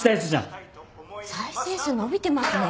再生数伸びてますね。